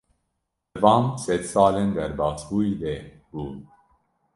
Di van sedsalên derbasbûyî de bû.